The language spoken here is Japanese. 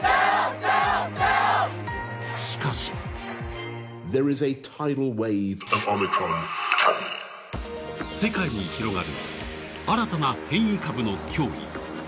しかし世界に広がる新たな変異株の脅威。